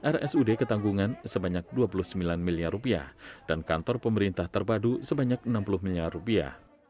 rsud ketanggungan sebanyak dua puluh sembilan miliar rupiah dan kantor pemerintah terpadu sebanyak enam puluh miliar rupiah